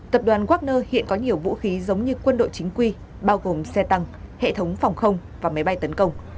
tập đoàn wagner hiện có nhiều vũ khí giống như quân đội chính quy bao gồm xe tăng hệ thống phòng không và máy bay tấn công